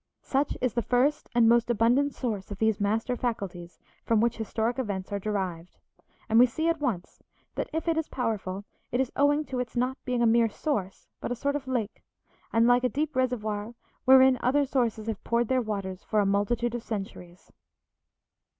Such is the first and most abundant source of these master faculties from which historic events are derived; and we see at once that if it is powerful it is owing to its not being a mere source, but a sort of lake, and like a deep reservoir wherein other sources have poured their waters for a multitude of centuries.